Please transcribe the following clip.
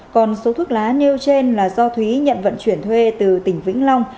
còn số thuốc lá nêu trên là do thúy nhận vận chuyển thuê từ tỉnh vĩnh long